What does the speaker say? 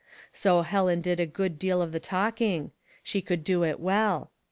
So Helen did a good deal of the talking ; she could do it well.